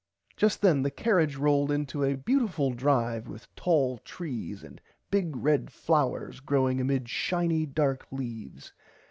Just then the cariage rolled into a beautifull drive with tall trees and big red flowers growing amid shiny dark leaves.